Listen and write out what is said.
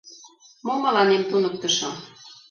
— Мо мыланем туныктышо!